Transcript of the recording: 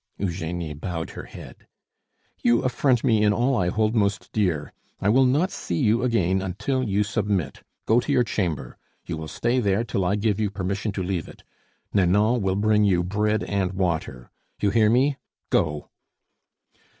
Eugenie bowed her head. "You affront me in all I hold most dear. I will not see you again until you submit. Go to your chamber. You will stay there till I give you permission to leave it. Nanon will bring you bread and water. You hear me go!"